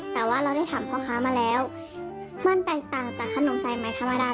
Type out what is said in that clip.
แต่ว่าเราได้ถามพ่อค้ามาแล้วมันแตกต่างจากขนมสายใหม่ธรรมดา